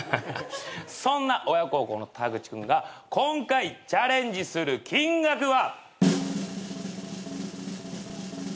そんな親孝行のタグチ君が今回チャレンジする金額は。